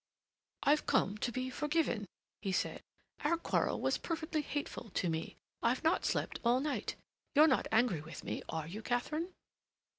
"I've come to be forgiven," he said. "Our quarrel was perfectly hateful to me. I've not slept all night. You're not angry with me, are you, Katharine?"